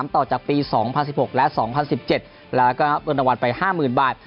ต่อจากปี๒๐๑๖และ๒๐๑๗แล้วก็รับเงินรางวัลไป๕๐๐๐บาท